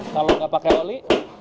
kalau nggak pakai oli